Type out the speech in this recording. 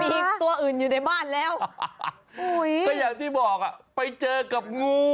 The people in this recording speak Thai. มีตัวอื่นอยู่ในบ้านแล้วก็อย่างที่บอกอ่ะไปเจอกับงู